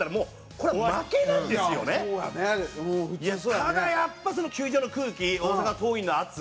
ただやっぱ球場の空気大阪桐蔭の圧。